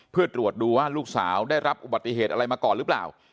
เพื่อตรวจดูว่าลูกสาวได้รับอุบัติเหตุอะไรมาก่อนหรือเปล่า